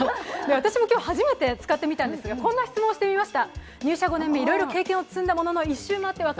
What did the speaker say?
私も今日初めて使ってみたんですがこんな質問をしてみました。